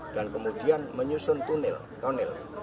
dan kemudian menyusun tonel